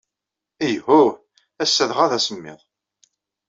Ayhuh, ass-a dɣa d asemmiḍ.